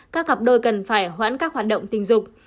các cặp đôi cần phải hoãn các hoạt động tình dục